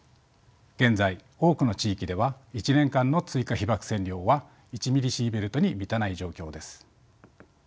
現在多くの地域では１年間の追加被曝線量は１ミリシーベルトに満たない状況です。